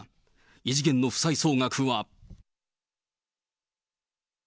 異次元の負債総額は。